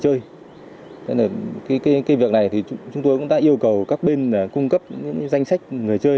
cái việc này chúng tôi cũng đã yêu cầu các bên cung cấp danh sách người chơi